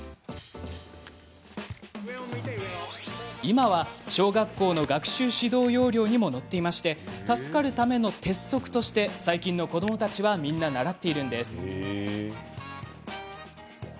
今は小学校の学習指導要領にも載っていまして助かるための鉄則として最近の子どもたちはみんな習っているんです。